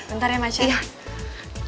bentar ya macem